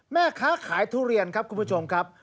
แม่ค้าขายทุเรียนครับคุณผู้ชมครับ